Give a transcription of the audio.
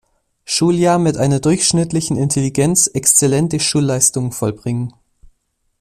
Schuljahr mit einer durchschnittlichen Intelligenz exzellente Schulleistungen vollbringen.